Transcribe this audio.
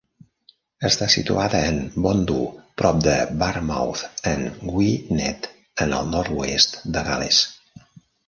Està situada en Bontddu, prop de Barmouth en Gwynedd en el nord-oest de Gal·les.